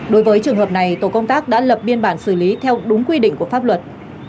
đối với trường hợp này tổ công tác đã lập biên bản xử lý theo đúng quy định của pháp luật